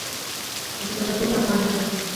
ځکه خو دومره خوند لري.